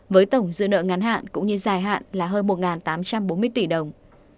với tổng dư nợ ngắn hạn cũng như dài hạn là hơn một tám trăm bốn mươi tỷ đồng